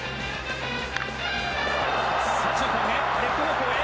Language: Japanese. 左中間へ、レフト方向へ。